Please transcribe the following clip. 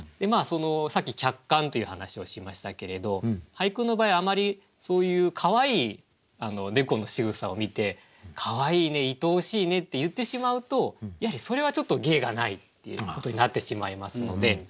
さっき客観という話をしましたけれど俳句の場合あまりそういうかわいい猫のしぐさを見てかわいいねいとおしいねって言ってしまうとやはりそれはちょっと芸がないっていうことになってしまいますので。